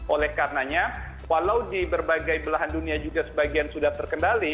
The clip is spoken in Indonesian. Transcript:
oleh karenanya walau di berbagai belahan dunia juga sebagian sudah terkendali